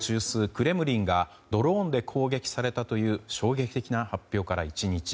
クレムリンがドローンで攻撃されたという衝撃的な発表から１日。